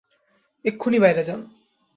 এক্ষুনি বাইরে যান!